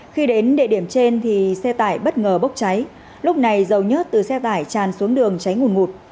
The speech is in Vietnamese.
khi đến địa điểm trên thì xe tải bất ngờ bốc cháy lúc này dầu nhớt từ xe tải tràn xuống đường cháy ngủn ngụt